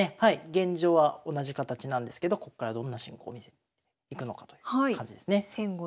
現状は同じ形なんですけどここからどんな進行を見せていくのかという感じですね。